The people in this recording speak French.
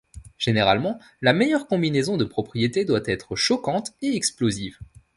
Généralement, la meilleure combinaison de propriétés doit être choquante et explosive.